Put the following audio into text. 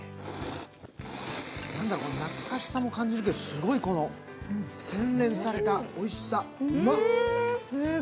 懐かしさも感じるけどすごい洗練されたおいしさ、うまっ！